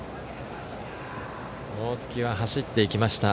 大槻は走っていました。